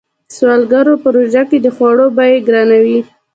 سوداګرو په روژه کې د خوړو بيې ګرانوي.